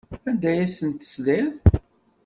Anda ay asen-tesliḍ?